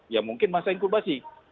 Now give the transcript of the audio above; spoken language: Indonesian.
ya mungkin masa inkubasi